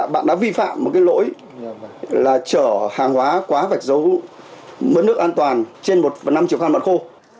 bạn đã vi phạm một cái lỗi là trở hàng hóa quá vạch dấu mớ nước an toàn trên một năm triệu khan mặt khô